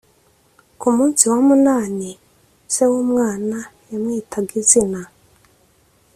ku munsi wa munani se w’umwana yamwitaga izina